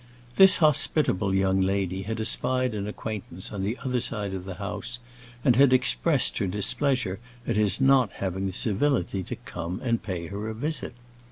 This hospitable young lady had espied an acquaintance on the other side of the house, and had expressed her displeasure at his not having the civility to come and pay her a visit.